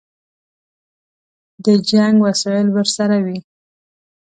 د جنګ وسایل ورسره وي.